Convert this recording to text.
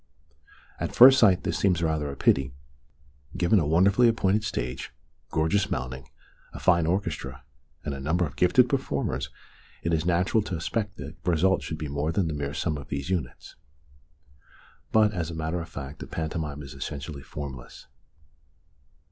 At first sight this seems rather a pity. Given a wonderfully appointed stage, gorgeous mounting, a fine orchestra, and a 216 THE DAY BEFORE YESTERDAY number of gifted performers, it is natural to expect that the result should be more than the mere sum of these units. But, as a matter of fact, pantomime is essentially formless.